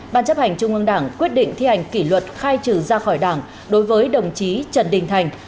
ban chấp hành trung ương đảng quyết định thi hành kỷ luật khai trừ ra khỏi đảng đối với đồng chí trần đình thành